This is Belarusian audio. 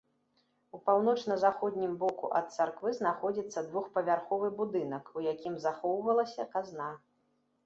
У паўночна-заходнім боку ад царквы знаходзіцца двухпавярховы будынак, у якім захоўвалася казна.